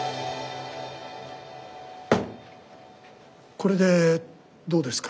これでどうですか？